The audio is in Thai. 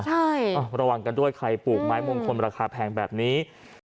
ใช่ระวังกันด้วยใครปลูกไม้มงคลราคาแพงแบบนี้